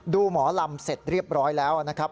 หมอลำเสร็จเรียบร้อยแล้วนะครับ